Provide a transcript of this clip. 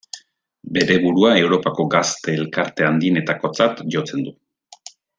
Bere burua Europako gazte elkarte handienetakotzat jotzen du.